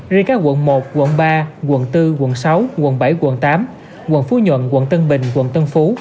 riêng các quận một quận ba quận bốn quận sáu quận bảy quận tám quận phú nhuận quận tân bình quận tân phú